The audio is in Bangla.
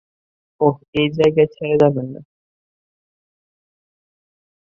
অহ, এই জায়গা ছেড়ে যাবেননা।